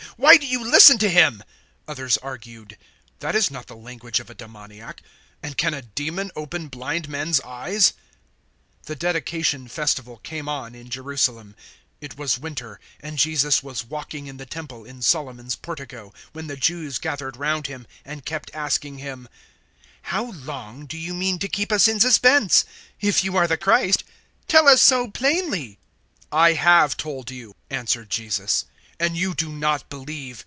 Why do you listen to him?" 010:021 Others argued, "That is not the language of a demoniac: and can a demon open blind men's eyes?" 010:022 The Dedication Festival came on in Jerusalem. It was winter, 010:023 and Jesus was walking in the Temple in Solomon's Portico, 010:024 when the Jews gathered round Him and kept asking Him, "How long do you mean to keep us in suspense? If you are the Christ, tell us so plainly." 010:025 "I have told you," answered Jesus, "and you do not believe.